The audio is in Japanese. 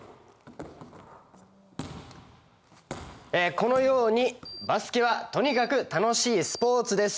このようにバスケはとにかく楽しいスポーツです。